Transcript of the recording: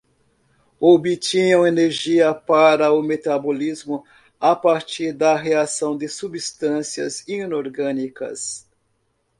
Obtinham energia para o metabolismo a partir da reação de substâncias inorgânicas